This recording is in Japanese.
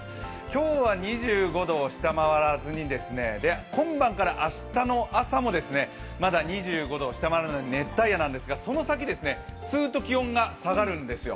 今日は２５度を下回らずに今晩から明日の朝もまだ２５度を下回らない熱帯夜なんですがその先、すーっと気温が下がるんですよ。